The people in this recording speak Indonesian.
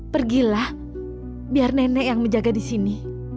pergilah biar nenek yang menjaga disini